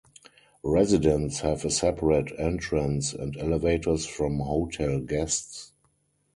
Residents have a separate entrance and elevators from hotel guests.